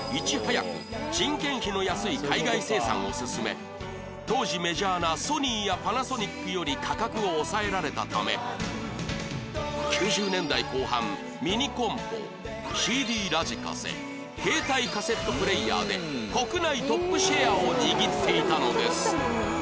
アイワは当時メジャーなソニーやパナソニックより価格を抑えられたため９０年代後半ミニコンポ ＣＤ ラジカセ携帯カセットプレーヤーで国内トップシェアを握っていたのです